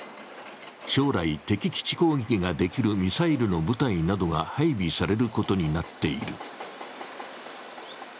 将来、敵基地攻撃ができるミサイルの部隊などが配備されることになっている。